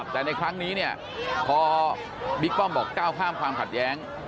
แต่ในครั้งนี้พอวิตป้อมบอก๙ข้ามความขัดแย้ง